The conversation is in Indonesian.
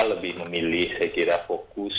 lebih memilih saya kira fokus